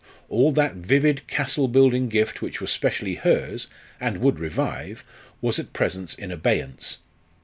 All that vivid castle building gift which was specially hers, and would revive, was at present in abeyance.